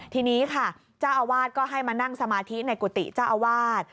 ทีนี้ค่ะเจ้าอาวาสก็ให้มานั่งสมาธิในกุฏิเจ้าอาวาส